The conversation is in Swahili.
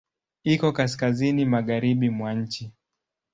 Iko kaskazini magharibi mwa nchi.